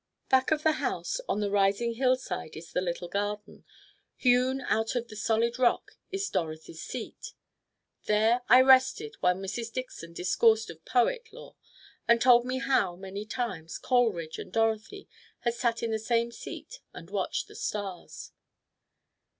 Back of the house on the rising hillside is the little garden. Hewn out of the solid rock is "Dorothy's seat." There I rested while Mrs. Dixon discoursed of poet lore, and told me of how, many times, Coleridge and Dorothy had sat in the same seat and watched the stars.